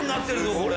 これ。